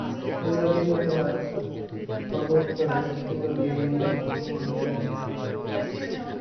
ফুলগাজী উপজেলার সর্ব-উত্তরে ফুলগাজী ইউনিয়নের অবস্থান।